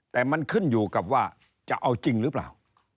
แต่มันขึ้นอยู่กับว่าจะเอาจริงหรือเปล่า